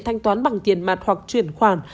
thanh toán bằng tiền mặt hoặc chuyển khoản